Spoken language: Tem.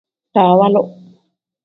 Dawaalu.